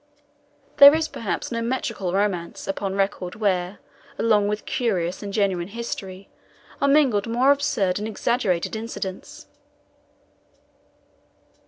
There is perhaps no metrical romance upon record where, along with curious and genuine history, are mingled more absurd and exaggerated incidents.